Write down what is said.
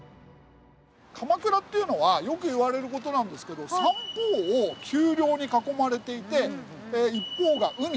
鎌倉っていうのはよくいわれる事なんですけど三方を丘陵に囲まれていて一方が海。